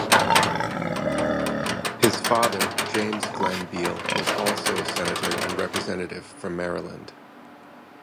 His father, James Glenn Beall, was also a senator and representative from Maryland.